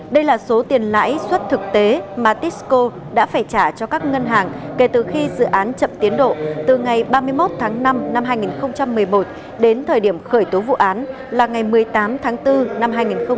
đây là số tiền lãi suất thực tế mà tisco đã phải trả cho các ngân hàng kể từ khi dự án chậm tiến độ từ ngày ba mươi một tháng năm năm hai nghìn một mươi một đến thời điểm khởi tố vụ án là ngày một mươi tám tháng bốn năm hai nghìn một mươi bảy